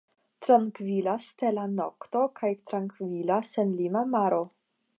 Trankvila stela nokto kaj trankvila senlima maro.